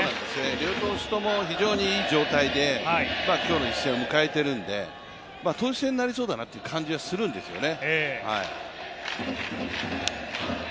両投手とも非常にいい状態で今日の一戦を迎えているので、投手戦になりそうだなという感じはするんですよね。